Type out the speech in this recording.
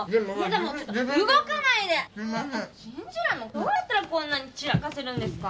どうやったらこんなに散らかせるんですか？